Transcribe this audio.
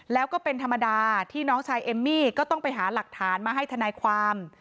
แล้วก็เป็นธรรมดาที่น้องชายเอมมี่ก็ต้องไปหาหลักฐานมาให้ทนายความ